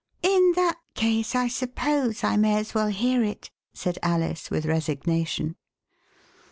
"In that case I suppose I may as well hear it," said Alice, with resignation.